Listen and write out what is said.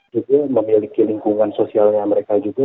juga memiliki lingkungan sosialnya mereka juga